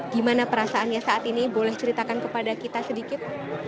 gimana perasaannya saat ini boleh ceritakan kepada kita sedikit